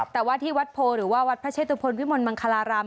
แต่ว่าที่วัดโพหรือว่าวัดพระเชตุพลวิมลมังคลาราม